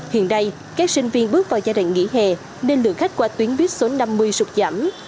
hiện đây các sinh viên bước vào giai đoạn nghỉ hè nên lượng khách qua tuyến buýt số năm mươi sụp giảm